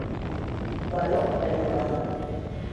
Baró de Lloberola.